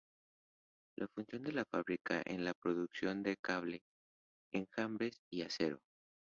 La función de la fábrica era la producción de cable, engranajes y acero.